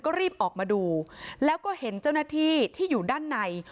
ก็รีบออกมาดูแล้วก็เห็นเจ้าหน้าที่ที่อยู่ด้านใน